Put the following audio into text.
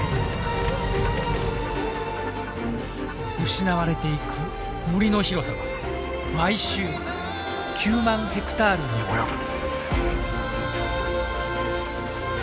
失われていく森の広さは毎週９万ヘクタールに及ぶ。